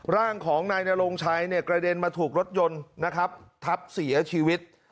ร่างของนายนโรงชัยเนี่ยกระเด็นมาถูกรถยนต์นะครับทับเสียชีวิต